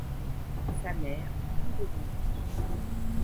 Sa mère est femme de ménage.